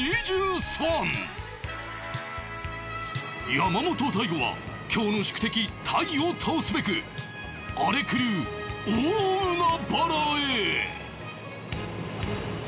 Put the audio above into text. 山本大悟は今日の宿敵タイを倒すべく荒れ狂う大海原へ！